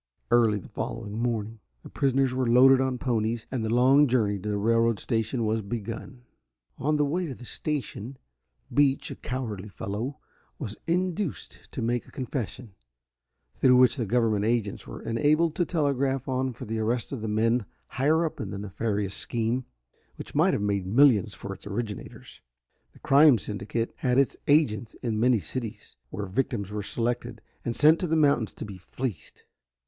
Early the following morning the prisoners were loaded on ponies, and the long journey to the railroad station was begun. On the way to the station, Beach, a cowardly fellow, was induced to make a confession, through which the government agents were enabled to telegraph on for the arrest of the men higher up in the nefarious scheme, which might have made millions for its originators. This crime syndicate had its agents in many cities, where victims were selected and sent to the mountains to be fleeced.